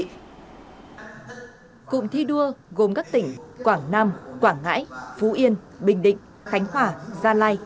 cụm thi đua gồm các tỉnh quảng nam quảng ngãi phú yên bình định khánh hòa gia lai